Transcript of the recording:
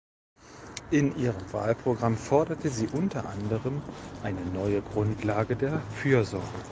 In ihrem Wahlprogramm forderte sie unter anderem eine neue Grundlage der Fürsorge.